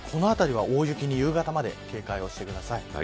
この辺りは大雪に夕方まで警戒してください。